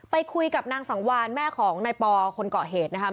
ไปคุยกับนางสังวานแม่ของนายปอคนเกาะเหตุนะครับ